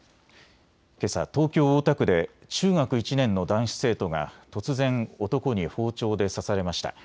けさ、東京大田区で中学１年の男子生徒が突然、男に包丁で刺されました。